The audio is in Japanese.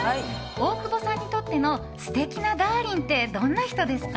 大久保さんにとっての素敵なダーリンってどんな人ですか？